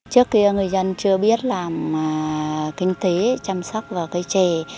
trước kia người dân chưa biết làm kinh tế chăm sóc vào cây trè